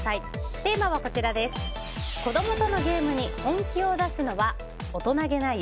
テーマは、子供とのゲームに本気を出すのは大人げない？